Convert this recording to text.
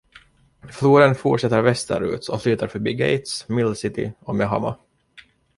Floden fortsätter västerut, och flyter förbi Gates, Mill City och Mehama.